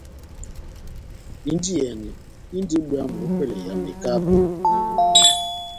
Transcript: Indiyɛni indi bwámu ópɛlɛ ya mekako.